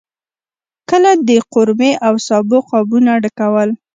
کله د قورمې او سابو قابونه ډکول.